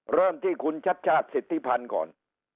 เริ่มที่คุณชัดชาติสิทธิพันธ์ก่อน